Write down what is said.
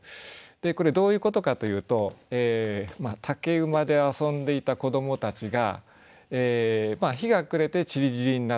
これどういうことかというと竹馬で遊んでいた子どもたちが日が暮れてちりぢりになったという意味もあるし